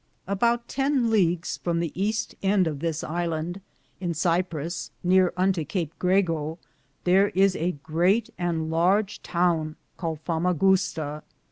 Aboute ten leagus from the easte end of this Hand, in Siprus, near unto Cape Grego, thare is a greate and large towne caled Famagusta.